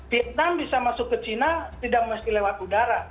vietnam bisa masuk ke china tidak mesti lewat udara